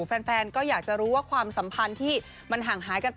แฟนก็อยากจะรู้ว่าความสัมพันธ์ที่มันห่างหายกันไป